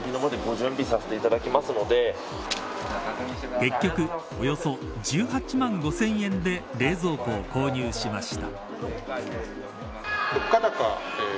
結局およそ１８万５０００円で冷蔵庫を購入しました。